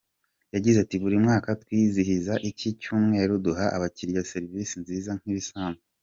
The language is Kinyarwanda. Yagize ati “Buri mwaka twizihiza iki cyumweru duha abakiriya serivise nziza nk’ibisanzwe.